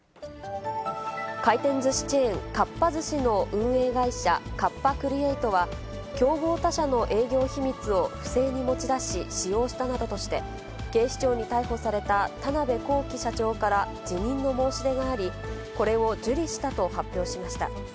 回転ずしチェーン、かっぱ寿司の運営会社、カッパ・クリエイトは、競合他社の営業秘密を不正に持ち出し使用したなどとして、警視庁に逮捕された田辺公己社長から辞任の申し出があり、これを受理したと発表しました。